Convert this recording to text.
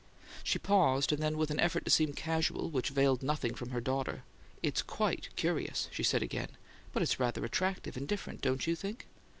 She paused, and then, with an effort to seem casual, which veiled nothing from her daughter: "It's QUITE curious," she said again. "But it's rather attractive and different, don't you think?"